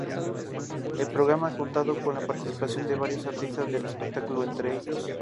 El programa ha contado con la participación de varios artistas del espectáculo, entre ellos.